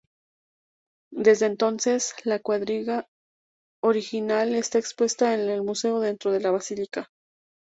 Desde entonces, la cuadriga original está expuesta en el museo dentro de la Basílica.